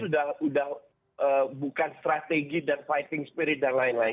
sudah bukan strategi dan fighting spirit dan lain lain